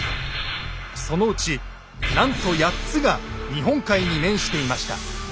そのうちなんと８つが日本海に面していました。